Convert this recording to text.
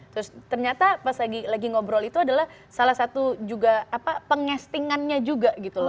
terus ternyata pas lagi ngobrol itu adalah salah satu juga pengestingannya juga gitu loh